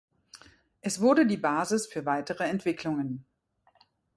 Es wurde die Basis für weitere Entwicklungen.